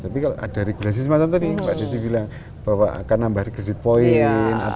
tapi kalau ada regulasi semacam tadi pak desi bilang bahwa akan nambah kredit point